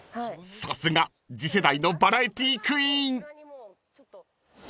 ［さすが次世代のバラエティークイーン］